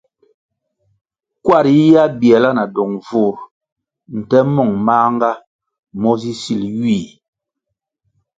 Kwar yiyihya biala na dong vur nte mong manʼnga mo zi sil ywih.